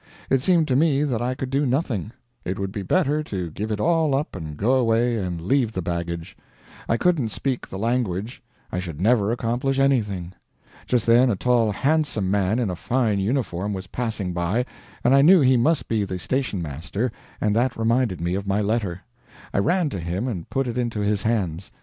It seemed to me that I could do nothing; it would be better to give it all up and go away and leave the baggage. I couldn't speak the language; I should never accomplish anything. Just then a tall handsome man in a fine uniform was passing by and I knew he must be the station master and that reminded me of my letter. I ran to him and put it into his hands.